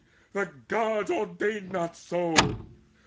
The gods ordained not so.